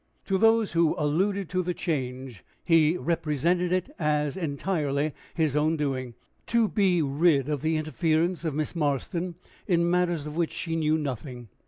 To those who alluded to the change, he represented it as entirely his own doing, to be rid of the interference of Miss Marston in matters of which she knew nothing.